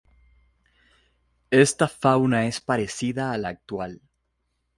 Esta fauna es parecida a la actual.